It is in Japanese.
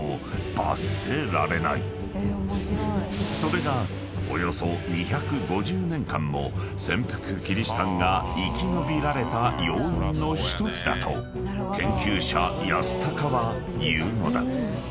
［それがおよそ２５０年間も潜伏キリシタンが生き延びられた要因の１つだと研究者安高は言うのだ］